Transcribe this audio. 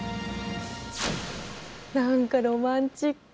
何かロマンチック。